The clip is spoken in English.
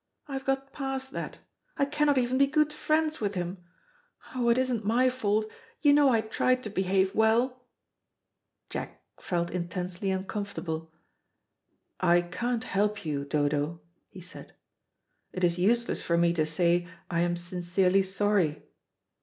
I have got past that. I cannot even be good friends with him. Oh, it isn't my fault; you know I tried to behave well." Jack felt intensely uncomfortable. "I can't help you, Dodo," he said. "It is useless for me to say I am sincerely sorry.